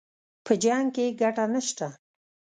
په جـنګ كښې ګټه نشته